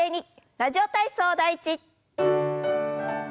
「ラジオ体操第１」。